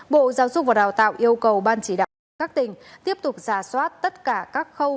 bộ giáo dục và đào tạo yêu cầu ban chỉ đạo các tỉnh tiếp tục giả soát tất cả các khâu